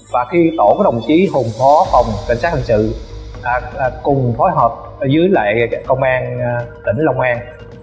và khi tổ đồng chí hùng phó phòng cảnh sát hành sự cùng phối hợp với công an tỉnh long an